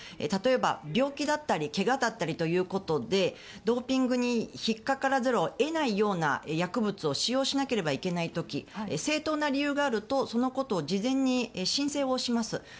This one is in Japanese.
例えば、病気だったりけがだったりということでドーピングに引っかからざるを得ないような薬物を使用しなければいけない時正当な理由があるとそのことを事前に申請をします。